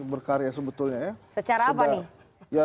berkarya sebetulnya ya secara apa nih